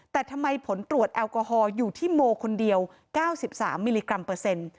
แต่ทำไมผลตรวจแอลกอฮอลอยู่ที่โมคนเดียว๙๓มิลลิกรัมเปอร์เซ็นต์